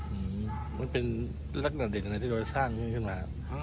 โหมันเป็นรักษณะเด็ดไงที่ได้สร้างเข้ามา